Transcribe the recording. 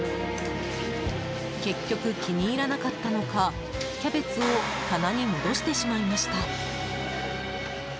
結局、気に入らなかったのかキャベツを棚に戻してしまいました。